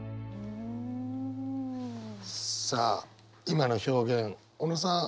今の表現小野さん。